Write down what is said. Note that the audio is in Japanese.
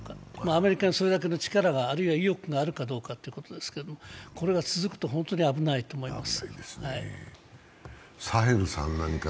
アメリカにそれだけの力が、あるいは意欲があるかですけど、これが続くと本当に危ないと思います。